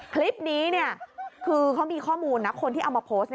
คลิปนี้คือเขามีข้อมูลนะคนที่เอามาโพสต์